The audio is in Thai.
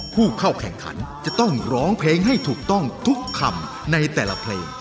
ผู้เข้าแข่งขันจะต้องร้องเพลงให้ถูกต้องทุกคำในแต่ละเพลง